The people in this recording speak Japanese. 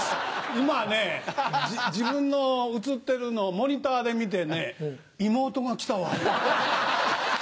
今自分の映ってるのをモニターで見てね「妹が来たわ」。